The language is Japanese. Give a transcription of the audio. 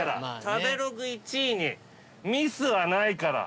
食べログ１位にミスはないから。